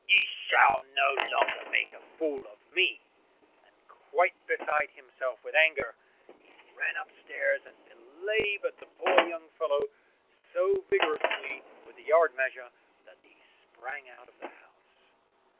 Ye shall no longer make a fool of me," and quite beside himself with anger, he ran upstairs and belabored the poor young fellow so vigorously with the yard measure that he sprang out of the house.